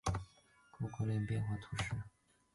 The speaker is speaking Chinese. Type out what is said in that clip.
孔佩尔人口变化图示